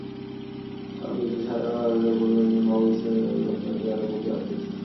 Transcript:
Arakan ইতিহাসে Arakan রাজাদের পূর্বপুরুষদের আদি বাসস্থান হিসেবে "মগ" এর কথা উল্লেখ করা হয়েছিল, যারা বুদ্ধের আত্মীয় ছিল।